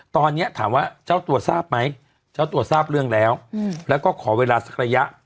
ตอนนี้ถามว่าเจ้าตัวทราบไหมเจ้าตัวทราบเรื่องแล้วแล้วก็ขอเวลาสักระยะ